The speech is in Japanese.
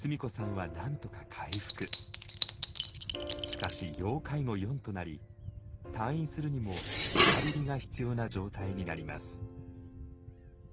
しかし「要介護４」となり退院するにもリハビリが必要な状態になります。